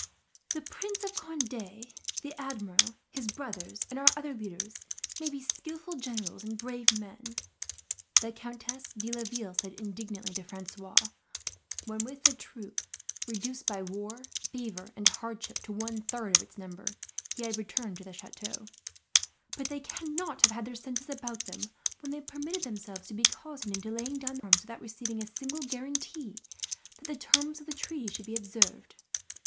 "The Prince of Conde, the Admiral, his brothers, and our other leaders may be skilful generals and brave men," the Countess de Laville said indignantly to Francois when, with the troop, reduced by war, fever, and hardship to one third of its number, he had returned to the chateau, "but they cannot have had their senses about them, when they permitted themselves to be cozened into laying down their arms, without receiving a single guarantee that the terms of the treaty should be observed.